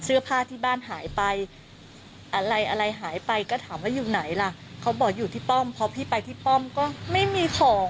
เสื้อผ้าที่บ้านหายไปอะไรอะไรหายไปก็ถามว่าอยู่ไหนล่ะเขาบอกอยู่ที่ป้อมเพราะพี่ไปที่ป้อมก็ไม่มีของ